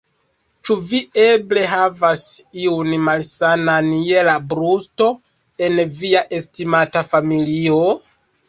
Ĉu vi eble havas iun malsanan je la brusto en via estimata familio?